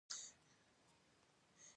فرګوسن او کراول راجرز هم راسره وو.